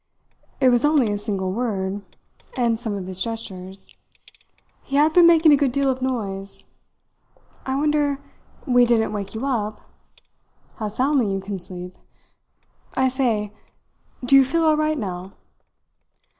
"It was only a single word and some of his gestures. He had been making a good deal of noise. I wonder we didn't wake you up. How soundly you can sleep! I say, do you feel all right now?"